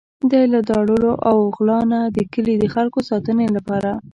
دی له داړلو او غلا نه د کلي د خلکو ساتنې لپاره.